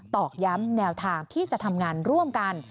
อกย้ำแนวทางที่จะทำงานร่วมกัน